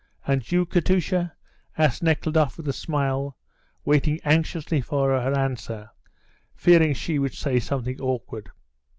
"And you, Katusha?" asked Nekhludoff with a smile, waiting anxiously for her answer, fearing she would say something awkward.